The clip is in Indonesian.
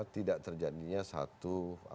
tidak terjadinya satu